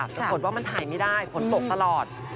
ปรากฏว่ามันถ่ายไม่ได้ฝนตกตลอด